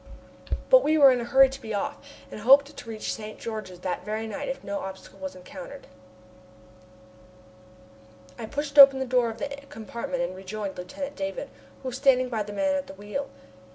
But we were in a hurry to be off, and hoped to reach St. George that very night if no obstacle was encountered. I pushed open the door of the compartment and rejoined Lieutenant Davon, who was standing by the man at the wheel.